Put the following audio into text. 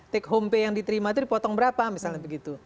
take home pay yang diterima itu dipotong berapa misalnya begitu